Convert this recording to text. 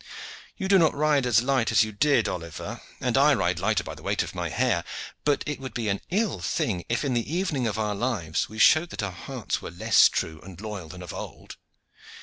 You do not ride as light as you did, Oliver, and I ride lighter by the weight of my hair, but it would be an ill thing if in the evening of our lives we showed that our hearts were less true and loyal than of old.